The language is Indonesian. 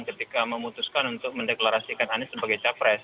ketika memutuskan untuk mendeklarasikan anies sebagai capres